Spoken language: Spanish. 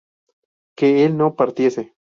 ¿que él no partiese?